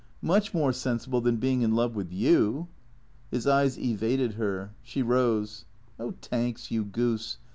" Much more sensible than being in love with you." His eyes evaded her. She rose. " Oh, Tanks, you goose.